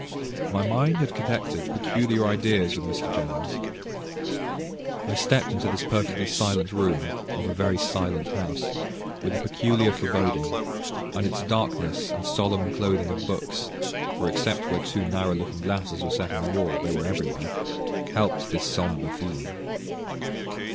My mind had connected peculiar ideas with Mr. Jennings. I stepped into this perfectly silent room, of a very silent house, with a peculiar foreboding; and its darkness, and solemn clothing of books, for except where two narrow looking glasses were set in the wall, they were everywhere, helped this somber feeling.